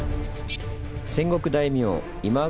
戦国大名今川